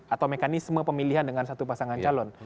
atau mekanisme pemilihan dengan satu pasangan calon